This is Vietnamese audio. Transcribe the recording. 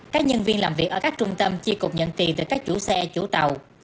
các nhân viên làm việc ở các trung tâm chi cục nhận tiền từ các chủ xe chủ tàu